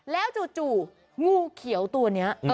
แล้วจู่งูเขียวตัวนี้